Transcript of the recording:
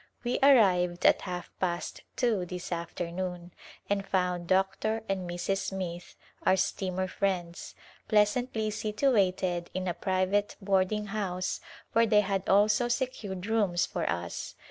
We arrived at half past two this afternoon and found Dr. and Mrs. Smith, our steamer friends, pleasantly situated in a private boarding house where they had also secured rooms for us.